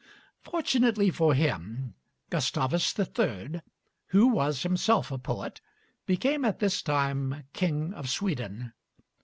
Fortunately for him, Gustavus III., who was himself a poet, became at this time king of Sweden.